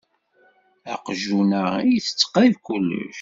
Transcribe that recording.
Aqjun-a itett qrib kullec.